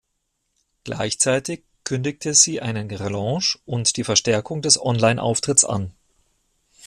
Gleichzeitig kündigte sie einen Relaunch und die Verstärkung des Online-Auftritts an.